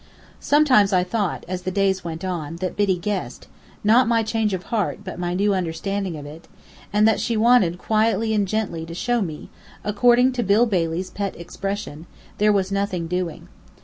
Sometimes I thought, as the days went on, that Biddy guessed not my change of heart, but my new understanding of it: and that she wanted quietly and gently to show me, according to Bill Bailey's pet expression, there was "nothing doing."